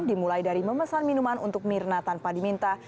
dimulai dari memesan minuman untuk mirna tanpa diminta